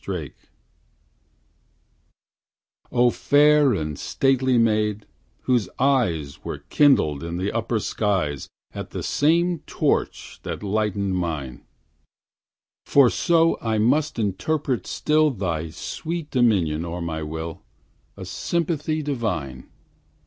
TO EVA O fair and stately maid, whose eyes Were kindled in the upper skies At the same torch that lighted mine; For so I must interpret still Thy sweet dominion o'er my will, A sympathy divine.